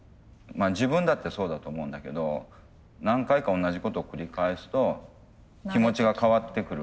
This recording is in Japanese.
まあ自分だってそうだと思うんだけど何回か同じことを繰り返すと気持ちが変わってくるわけでしょ。